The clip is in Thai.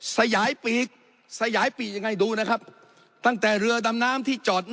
สยายปีกสยายปีกยังไงดูนะครับตั้งแต่เรือดำน้ำที่จอด